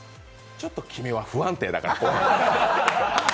ちょっと君は不安定だから怖い。